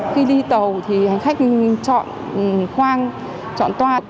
khi đi tàu thì hành khách chọn khoang chọn toa